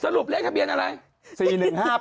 รูปเลขทะเบียนอะไร